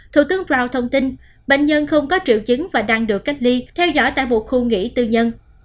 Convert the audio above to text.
thủ tướng prow thông tin bệnh nhân không có triệu chứng và đang được cách ly theo dõi tại một khu nghỉ tư nhân